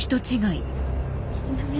すみません。